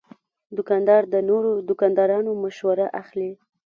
دوکاندار د نورو دوکاندارانو مشوره اخلي.